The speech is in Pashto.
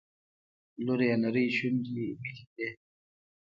لور يې نرۍ شونډې ويتې کړې.